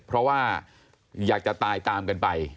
เพราะว่าอยากจะตายตามกันไป